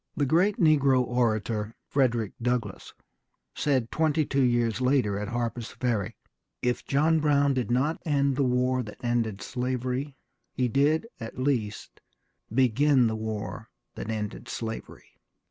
The great negro orator, Frederick Douglass, said twenty two years later at Harper's Ferry, "If John Brown did not end the war that ended slavery, he did, at least, begin the war that ended slavery.